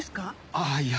ああいや。